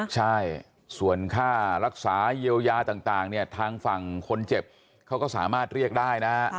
ใช่ส่วนค่ารักษาเยียวยาต่างเนี่ยทางฝั่งคนเจ็บเขาก็สามารถเรียกได้นะฮะ